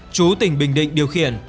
chú tỉnh bình định điều khiển